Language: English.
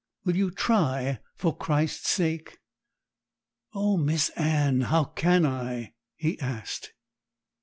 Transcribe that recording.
Will you try for Christ's sake?' 'Oh, Miss Anne, how can I?' he asked.